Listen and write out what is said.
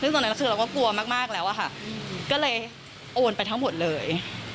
ซึ่งตอนนั้นคือเราก็กลัวมากแล้วอะค่ะก็เลยโอนไปทั้งหมดเลย